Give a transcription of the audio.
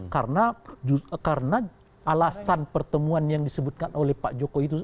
karena alasan pertemuan yang disebutkan oleh pak joko itu